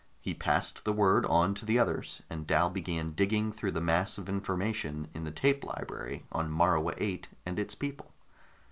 He passed the word on to the others, and Dal began digging through the mass of information in the tape library on Morua VIII and its people.